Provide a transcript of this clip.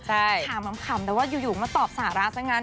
ถามขำแต่ว่าอยู่มาตอบสาระซะงั้น